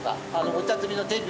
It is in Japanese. お茶摘みの手順